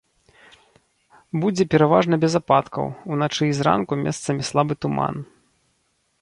Будзе пераважна без ападкаў, уначы і зранку месцамі слабы туман.